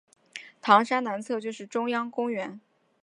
糖山南侧就是中央公园。